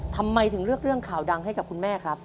ทำไมถึงเลือกเรื่องข่าวดังให้กับคุณแม่ครับ